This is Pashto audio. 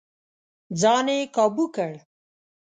ځان يې کابو کړ.